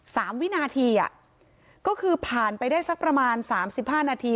วินาทีอ่ะก็คือผ่านไปได้สักประมาณสามสิบห้านาที